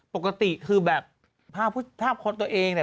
ปกติคือแบบภาพโคตรตัวเองน่ะ